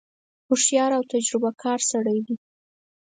هوښیار او تجربه کار سړی دی.